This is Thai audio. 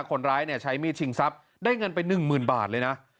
คนร้ายใช้มีดชิงทรัพย์ได้เงินไป๑หมื่นบาทเลยนะ